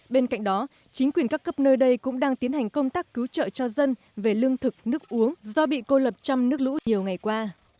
bên cạnh đó chính quyền các cấp nơi đây cũng đang tiến hành công tác cứu trợ cho dân về lương thực nước uống do bị cô lập trong nước lũ nhiều ngày qua